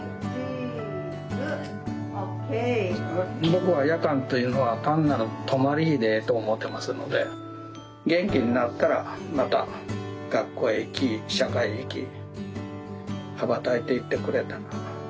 僕は夜間というのは単なる止まり木でええと思うてますので元気になったらまた学校へ行き社会へ行き羽ばたいていってくれたら。